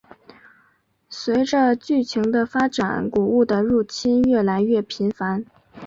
随着剧情的发展古物的入侵越来越频繁。